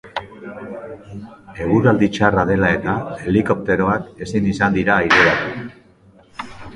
Eguraldi txarra dela eta, helikopteroak ezin izan dira aireratu.